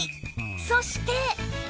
そして